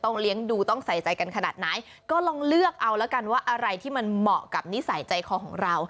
เลี้ยงดูต้องใส่ใจกันขนาดไหนก็ลองเลือกเอาแล้วกันว่าอะไรที่มันเหมาะกับนิสัยใจคอของเรา